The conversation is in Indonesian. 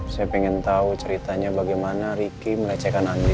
saya pengen tau ceritanya bagaimana ricky merecehkan andi